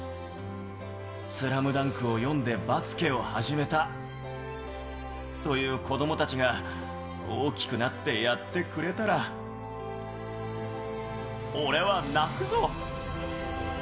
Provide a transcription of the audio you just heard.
スラムダンクを読んでバスケを始めたという子どもたちが、大きくなってやってくれたら、俺は泣くぞ。